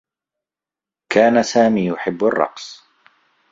كان سامي يحبّ الرّقص.